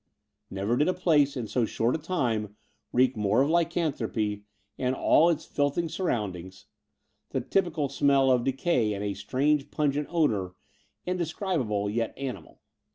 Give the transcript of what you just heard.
Never did a place in so short a time reek more of lycanthropy and all its filthy surroxmdings Between London and Clympilng 197 — the typical smell of decay and a strange pungent odour, indescribable yet animal."